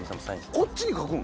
こっちに書くん？